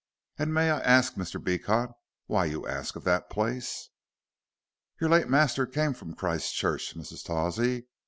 And may I arsk, Mr. Beecot, why you arsk of that place?" "Your late master came from Christchurch, Mrs. Tawsey.